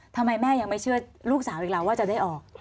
ทำไมแม่ยังไม่เชื่อลูกสาวอีกแล้วว่าจะได้ออก